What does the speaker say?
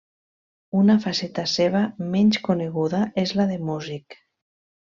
Una faceta seva menys coneguda és la de músic.